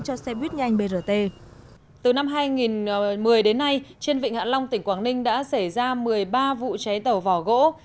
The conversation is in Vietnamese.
từ năm hai nghìn một mươi đến nay trên vịnh hạ long tỉnh quảng ninh đã xảy ra một mươi ba vụ cháy tàu vỏ gỗ